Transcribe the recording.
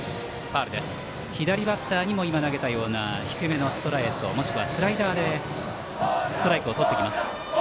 左バッターにも低めのストレートもしくはスライダーでストライクをとってきます。